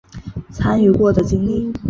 参与的经过